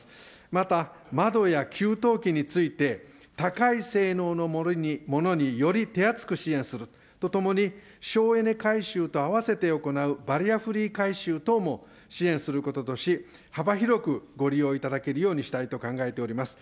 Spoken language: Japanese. また窓や給湯器について、高い性能のものにより手厚く支援するとともに、省エネ改修と併せて行うバリアフリー改修等も支援することとし、幅広くご利用いただけるようにしたいと考えております。